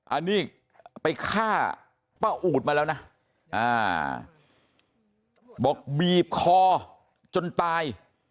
อันนี้ไปฆ่าป้าอูดมาแล้วนะบอกบีบคอจนตาย